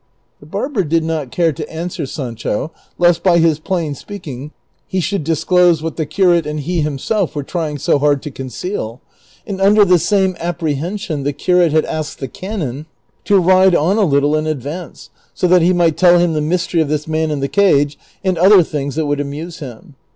The barber did not care to answer Sancho lest by his plain speaking he should disclose what the curate and he himself were trying so hard to conceal ; and under the same apprehen sion the curate had asked the canon to ride on a little in ad vance, so that he might tell him the mystery of this man in the cage, and other things that would amuse him.